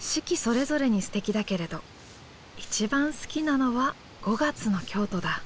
四季それぞれにすてきだけれど一番好きなのは５月の京都だ。